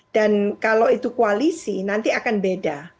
dan kalau itu koalisi nanti akan beda